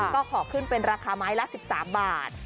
ก็ขอขึ้นเป็นราคาไม้ละ๑๓บาท